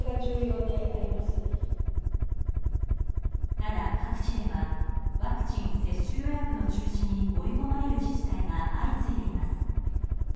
ただ、各地ではワクチン接種予約の中止に追い込まれる自治体が相次いでいます。